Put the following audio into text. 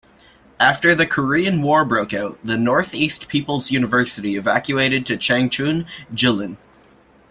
After the Korean War broke out, the Northeast People's University evacuated to Changchun, Jilin.